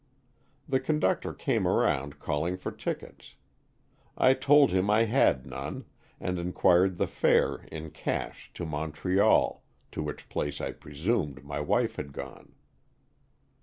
The conductor came around call ing for tickets. I told him I had none, and inquired the fare in cash to Mon treal, to which place I presumed my wife had gone.